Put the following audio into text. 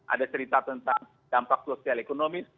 ada cerita tentang dampak sosial ekonomi